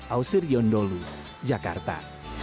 ausir yondolu jakarta